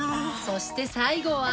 そして最後は。